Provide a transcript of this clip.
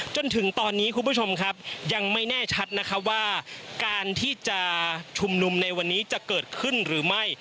จนถึงตอนนี้คุณผู้ชมครับยังไม่แน่ชัดนะครับว่าการที่จะชุมนุมในวันนี้จะเกิดขึ้นหรือไม่